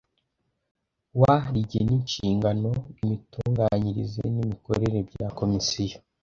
wa rigena inshingano imitunganyirize n imikorere bya komisiyo